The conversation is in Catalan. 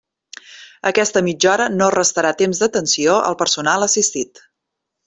Aquesta mitja hora no restarà temps d'atenció al personal assistit.